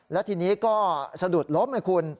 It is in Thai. แล้วทีนี้ก็สะดุดล้มให้คุณ